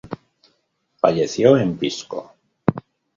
Falleció en Pisco.